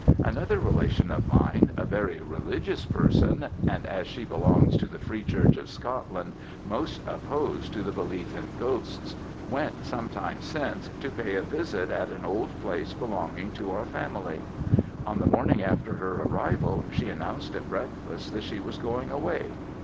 "Another relation of mine, a very religious person, and as she belongs to the free church of Scotland, most opposed to the belief in ghosts, went some time since to pay a visit at an old place belonging to our family. On the morning after her arrival, she announced at breakfast that she was going away.